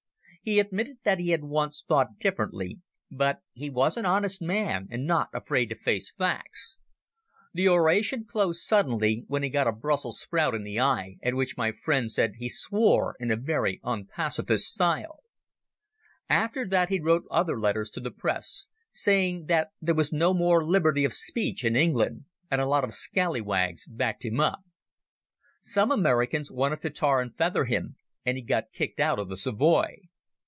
He admitted that he had once thought differently, but he was an honest man and not afraid to face facts. The oration closed suddenly, when he got a brussels sprout in the eye, at which my friend said he swore in a very unpacifist style. After that he wrote other letters to the Press, saying that there was no more liberty of speech in England, and a lot of scallywags backed him up. Some Americans wanted to tar and feather him, and he got kicked out of the Savoy.